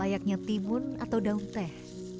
layaknya timun atau daun teh